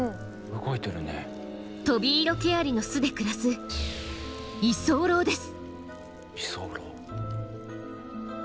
トビイロケアリの巣で暮らす居候です。